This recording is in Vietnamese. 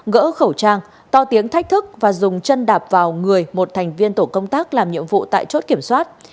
gỡ khẩu trang to tiếng thách thức và dùng chân đạp vào người một thành viên tổ công tác làm nhiệm vụ tại chốt kiểm soát